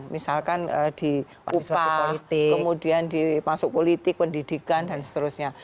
misalkan di upah kemudian di masuk politik pendidikan dan seterusnya